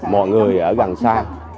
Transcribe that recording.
mọi người ở gần xa